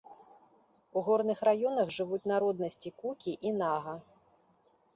У горных раёнах жывуць народнасці кукі і нага.